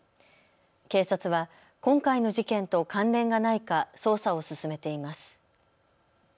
警察は今回の事件と関連がないか捜査を進めています。